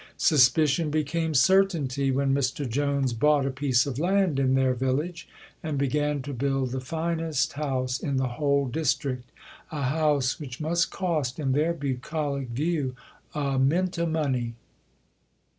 Suspicion became certainty when Mr Jones bought a piece of land in their village and began to build the finest house in the whole district, a house which must cost, in their bucolic view, a "mint o' money."